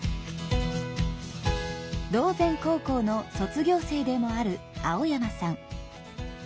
島前高校の卒業生でもある青山さん。